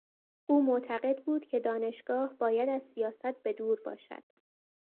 او معتقد بود که دانشگاه باید از سیاست به دور باشد.